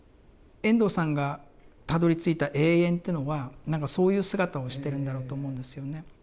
遠藤さんがたどりついた永遠というのは何かそういう姿をしてるんだろうと思うんですよね。